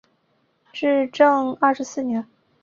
至正二十四年。